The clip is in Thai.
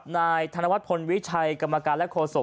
นายธนวัฒนพลวิชัยกรรมการและโฆษก